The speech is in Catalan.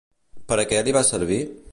Per a què li va servir?